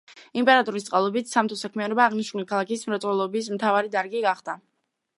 იმპერატორის წყალობით სამთო საქმიანობა აღნიშნული ქალაქის მრეწველობის მთავარი დარგი გახდა.